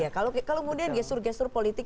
kalau kemudian gesur gesur politik